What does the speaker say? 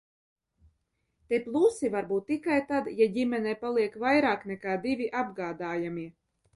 Te plusi var būt tikai tad, ja ģimenē paliek vairāk nekā divi apgādājamie.